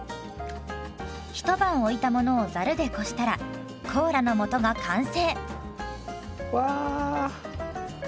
ひと晩置いたものをざるでこしたらコーラの素が完成。わ！